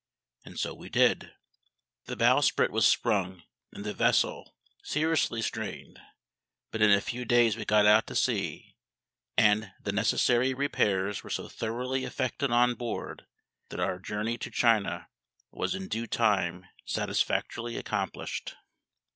And so we did. The bowsprit was sprung and the vessel seriously strained; but in a few days we got out to sea, and the necessary repairs were so thoroughly effected on board that our journey to China was in due time satisfactorily accomplished.